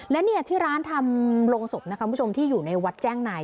และนี้ที่ร้านทำโรงศพที่อยู่ในวัดแจ้งไหน